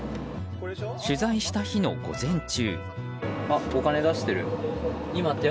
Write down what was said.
取材した日の午前中。